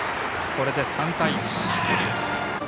これで３対１。